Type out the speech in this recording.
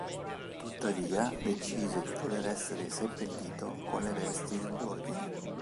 Tuttavia, decise di voler essere seppellito con le vesti dell'ordine.